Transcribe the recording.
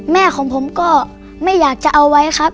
แม่ของผมก็ไม่อยากจะเอาไว้ครับ